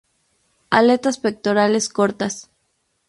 Aletas pectorales cortas.